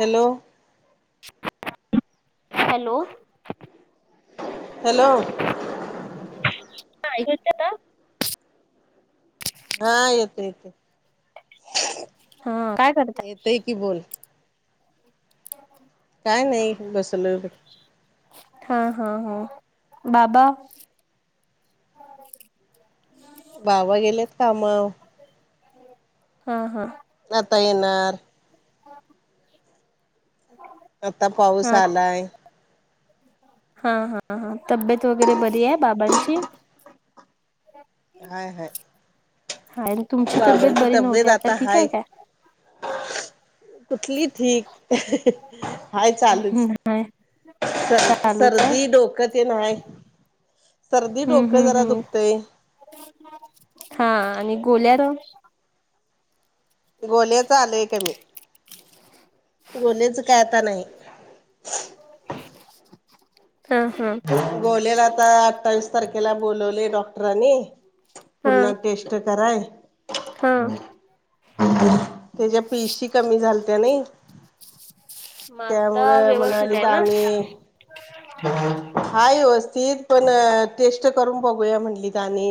Hello hello hello [unintelligible] हा येतय येतय हा काय करताय येतय की बोल. ह काय नाही बसलोय. हा हा हा बसलोय बाबा हो बाबा गेलेत कामावर हा. हा. आता येणार ह आता पाऊस आलाय हा हा हां तब्येत वगैरे बरी आहे बाबांची. ह हाय हाय हा आणि तुमची तब्येत बरी नव्हती आता ठीक आहे काय? कुठली ठीक हाय चालूच. हाय चालूच आहे सर्दी डोक तेन हाय. सर्दी हम्म डोकं हम्म जरा दुखतंय हम्म हा आणि गोल्यार गोल्याच आलय कमी. गोल्याच काय आता नाही. हा. हा. गोल्याला आता अठ्ठावीस तारखेला बोलावलेय डॉक्टरांनी हा पुन्हा. टेस्ट कराय हा त्याच्या पिशी कमी झालत्या नाही. मग आता त्यामुळं व्यवस्थित म्हणालीत आहे ना आनी हाय व्यवस्थित पण टेस्ट करून बघूया म्हंनलीत आणि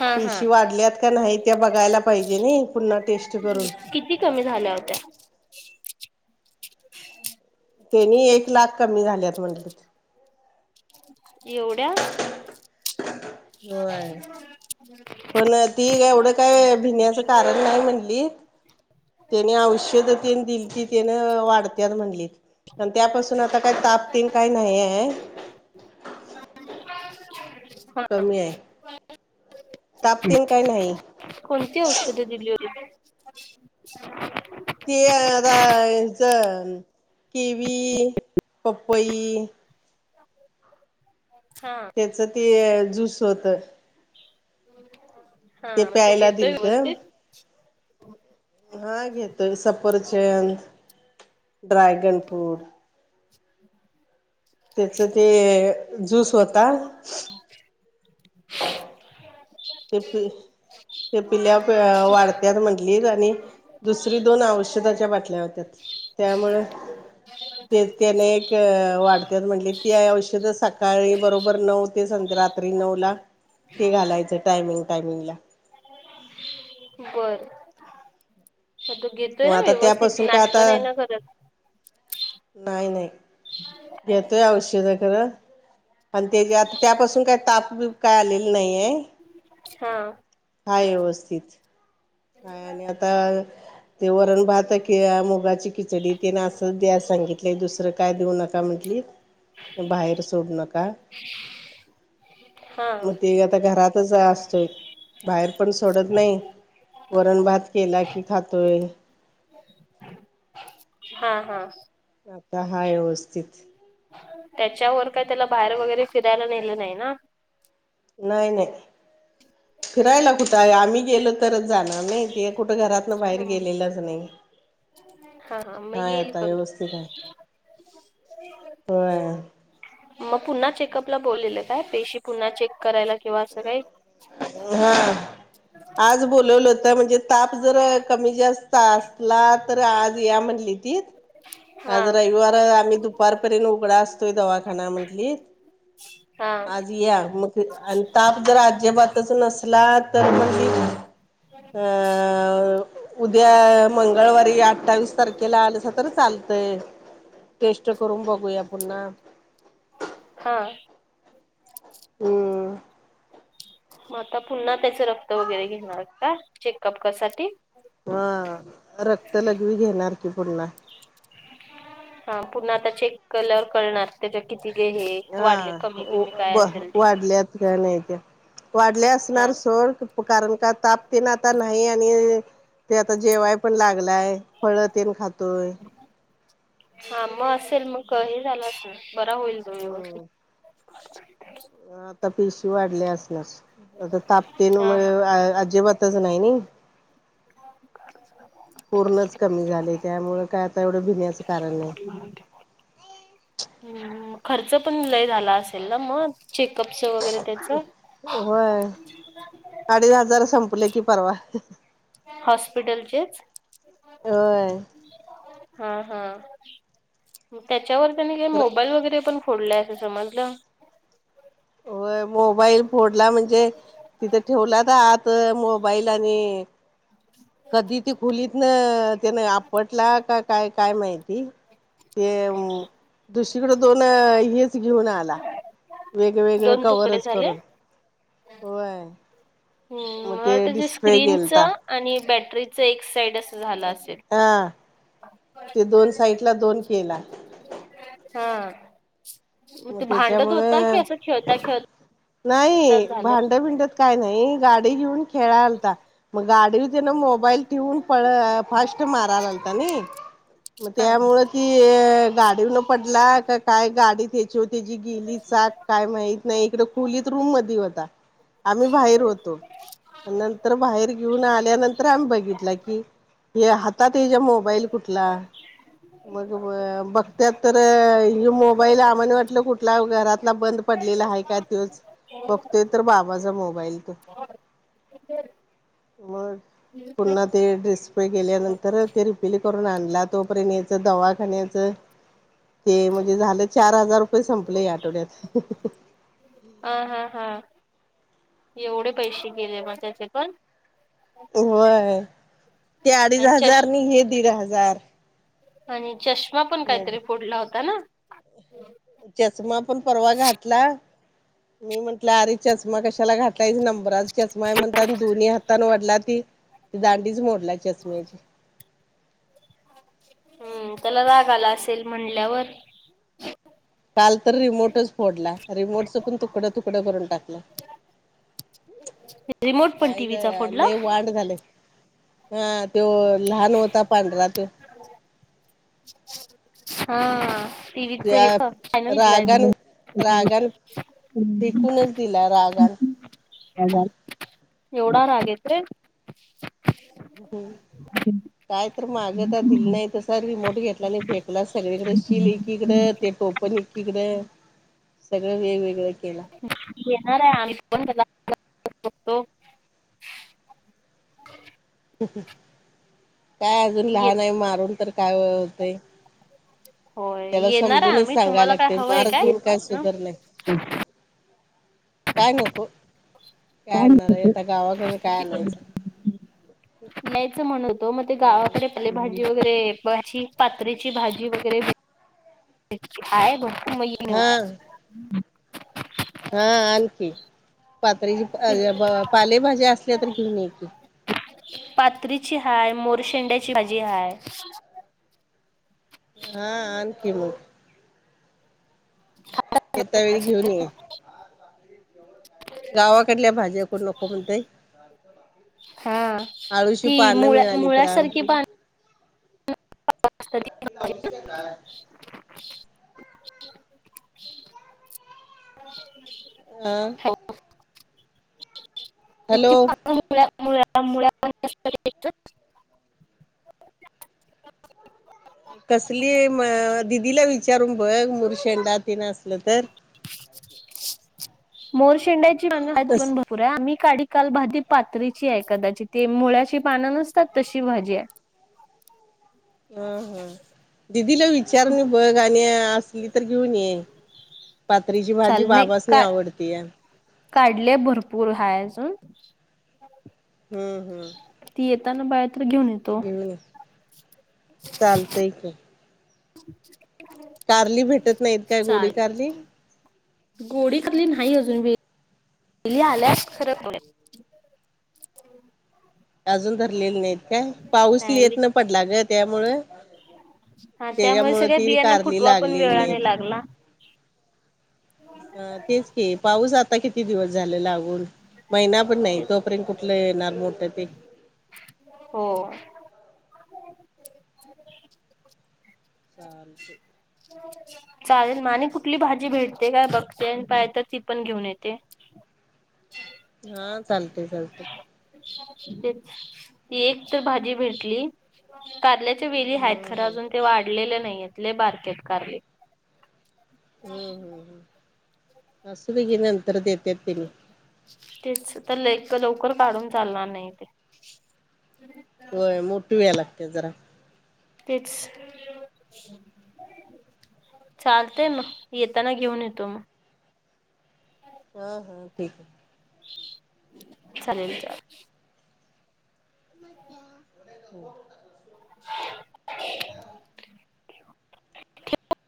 हा हा पिशी वाढल्यात का नाही त्या बघायला पाहिजे नाही पुन्हा टेस्ट करून. किती कमी झाल्या होत्या. तेनी एक लाख कमी झाल्यात म्हंटलेत. एवढ्या होय ह पण ती एवढं काय भिण्याचं कारण नाही म्हणली त्यांन औषध तीनं दिलती त्यांन वाढत्यात म्हणली. आणि त्यापासून आता काही तापतीन काही नाही आहे [inaudible] कमी आहे तापतीन काय नाही कोणती औषधं दिली होती. ते आता ह्याचा किवी पपई हा त्याच ते जूस होत हा ते तो प्यायला घेतोय दिलत व्यवस्थित हा घेतोय सफरचंद ड्रॅगन फ्रूट [inaudible] त्याच ते जूस होता ते पि [unintelligible] ते पिल्यावर वाढत्यात म्हंटलीत आणि दुसरी दोन औषधाच्या बाटल्या होत्या त्यामुळ हॅलो ते त्याने एक वाढत्यात म्हटली ती औषध सकाळी बरोबर नऊ रात्री नऊला ते घालायचं टायमिंग टायमिंग ला बर [inaudible] घेतोय मग ना आता व्यवस्थित त्यापासून काय नाटकं आता नाही ना करत नाही नाही घेतोय औषध खर आणि त्या आता त्यापासून काही ताप काय आलेलं नाहीय हा हाय व्यवस्थित हा आणि आता ते वरण भात आहे की मुगाची खिचडी तेन असं द्या सांगितलं दुसरं काय देऊ नका म्हंटली बाहेर सोडू नका हा मग ते आता घरातच अस तोय बाहेर पण सोडत नाही वरण भात केला की खातोय हा हा आता हाय व्यवस्थीत त्याच्यावर काय त्याला बाहेर वगैरे फिरायला नेलं नाही ना नाही नाही फिरायला कुठं आहे आम्ही गेलो तरच जाणार नाही ते कुठं घरातन बाहेर हम्म गेलेलंच नाही हा हा मग हाय येईल आता कमी व्यवस्थित आहे होय मग पुन्हा चेकअपला बोललेलं काय पेशी पुन्हा चेक करायला किंवा असं काही हा आज बोलवलं होत म्हणजे ताप जर कमी जास्त असला तर आज या म्हणली ती हा आज रविवार आहे आणि दुपारपर्यंत उघडा असतोय दवा खना म्हटली हा आज तर या मग आणि ताप जर अजिबातच नसला तर मग ठीक आहे ह उद्या मंगळवारी अठ्ठावीस तारखेला आलसा तर चाल तय टेस्ट करून बघूया पुन्हा हा हम्म मग आता पुन्हा त्याच रक्त वगैरे घेणार का चेकअपसाठी? हा रक्त लघवी घेणार की पुन्हा. हा पुन्हा आता चेक केल्यावर कळणार. त्याच्या किती ते हे वाढले हा कमी बिमी काय ब असेल ते. वाढल्यात काय नाही त्या वाढले हा असणार सोड, कारण का ताप तेन आता नाही आणि ते आता जेवाय पण लागलाय, फळ तेन खातोय. हा मग असल मग हे झाल असणार. बरा होईल तो व्यवस्थित. हा आता पेशी वाढले असणार आ ताप तेन हा हा आ अजिबात नाही नई पूर्णच कमी झालंय त्यामुळं काय काय एवढं भिण्याचं कारण नाही. हम्म खर्च पण लय झाला असेल ना मग चेकअपचं वगैरे त्याचं. होय अडीच हजार संपलं की परवा. हॉस्पिटलचेच? होय हा हा. त्याच्यावर त्यांनी ते मोबाईल वगैरे पण फोडलाय अस समजलं. होय मोबाईल फोडला म्हणजे तिथं ठेवला होता आत मोबाईल आणि कधी ती खुलीतन त्यान आपटला का काय काय माहिती. ते दुसरीकडं दोन हेच घेऊन आला. वेगवेगळ दोन तुकडे कवरच झाले करून व्हय. हम्म मला वाटतं ते स्क्रीनच आणि बॅटरीच एक साईड असं झालं असेल हा ते दोन साईडला दोन केला. हा. मग ते भांडत होता, की असं खेळता खेळता नाही झालं. भांड भिंडत काय नाही गाडी घेऊन खेळालता, मग गाडीवर तेन मोबाईल ठेऊन खरं फास्ट मारायलालता नई मग हा त्यामुळे की गाडीवरन पडला का काय गाडीत त्याची गेली चाक काय माहित नाही, इकडं खुलीत रूममध्ये होता. आम्ही बाहेर होतो. नंतर बाहेर घेऊन आल्यानंत तर आम्ही बघितला की हे हातात ह्याच्या मोबाईल कुठला. मग अ बघत्यात तर ह मोबाईल आम्हाला वाट कुठला कुठला वगैरे घरातला बंद पडलेला आहे का त्योच बघतोय तर बाबाचा मोबाईल तो. मग पुन्हा ते डिस्प्ले गेल्यानंतर ते रिपेर करून आणला. तोपर्यंत याच दवाखान्यात ते म्हणजे झालं चार हजार रुपये संपले या आठवड्यात. हा हा हा. एवढे पैसे गेले मग त्याचे पण? होय ते अडीच आणि हजार चष आणि हे दीड हजार. आणि चष्मा पण काहीतरी फोडला होता ना? चष्मा पण परवा घातला. मी म्हंटलं अरे चस्मा कशाला घात नंबराचा चष्मा आहे म्हणतानं दोन्ही हातानं वढला ती दांडीच मोडला चष्म्याची. हम्म त्याला राग आला असेल म्हणल्यावर. काल तर रिमोटच फोडलाय. रिमोटचं पण तुकडं तुकडं करून टाकलं. रिमोट पण काय टीव्हीचा झालंय फोडला लय वांड झालंय. हा त्यो लहान होता पांढरा त्यो. हा. टीव्ही चे हे त्या फायनल रागान दिलाय [unintelligible] तिला राग आला. [unintelligible] एवढा राग येतोय?. हो. काय तर मागे तर दिली नाही, तसा रिमोट घेतला आणि फेकला सगळीकडे शिली एकी कडे ते टोपन एकीकडे सगळं वेगवेगळं केलं. येणार आहे आम्ही पण त्याला. बघतो. काय अजून येत लहान आहे, मारून तर काय होते. होय त्याला येणार आहे समजूनच आम्ही सांगाय तुम्हाला काय लागते, हवंय मार देऊन काय इथन सुधर नाही. काय नको काय आणणार आहे, आता गावाकडन काय आणायचं? नाहीच म्हणत होतो मग ते नाही नाही गावाकडे आपले भा वगैरे पातळीची भाजी वगैरे आहे बघ. मग [unintelligible] हा हा आण कि, पातरीची का पालेभाज्या असल्या तर घेऊन येे. पात्रीची हाय, मोरशेंड्याची भाजी हाय. हा आण कि मग. हा. येता वेळी घेऊन ये. गावाकडल्या भाज्या कोण नको म्हणतय. हा अळूची ती पाने मुळ्या मिळाली तर आण. मुळ्यासारखी पान [unintelligible] हे काय [inaudible] [unintelligible] हा. हॅलो [unintelligible] कसली मग दिदीला विचारून बघ, मुर्शंडा तिनं असलं तर मोरशिंडाची पण [unintelligible] हायेत कस भरपूर. पुऱ्या आम्ही काडी काल भाजी पातरीची आहे कदाचित, ते मुळ्याशी पानं नसतात तशी भाजी आहे. ह हा दिदीला विचार न बघ, आणि असली तर घेऊन ये. पातरीची भाजी बाबासनी आवडतीया. काढलेय भरपूर हाय अजून. हम्म हम्म. येता ना काय आणू? हम्म चालतंय की. [inaudible] कारली भेटत नाहीत काय? गोडी चालेल कारली? गोडी कारली नाही अजून, वेली ये आल्या खर. अजून धरलेले नाहीत काय? पाऊस नाही लेट न पडला ग त्यामुळं. हा त्यामुळे त्याच्यामुंळ सगळ्या ती बियांना कारली फुटवा पण लागलेली नाहीत. वेळाने लागला हा तेच की, पाऊस आता किती. किती दिवस झाले लागून, महिना पण नाही तोपर्यंत कुठलं येणार मोठ ते. हो. [inaudible] चालत. चालेल मग आणि कुठली भाजी भेटते काय बघते, पाय तर ती पण घेऊन येते. हा चालतय चालतय. तेच, ती एक तर भाजी भेटली. कारल्याचे वेली आहेत, खरं हम्म अजून ते वाढलेले नाहीयेत लय बारके आहेत कारले. हम्म हम्म हम्म असू दे की नंतर देतेत तेनी तेच आता लवकर काढून चालणार नाही ते. होय मोठ व्या लागते जरा. तेच. चालतंय मग येताना घेऊन येतो. हा हा ठीक आहे. चालेल चालेल. [inaudible] हो [inaudible] ठेव [inaudible]